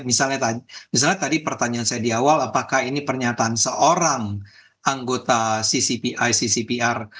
misalnya tadi pertanyaan saya di awal apakah ini pernyataan seorang anggota ccpi ccpr